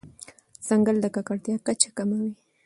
ځنګل د ککړتیا کچه کموي.